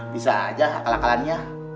bisa aja akal akalannya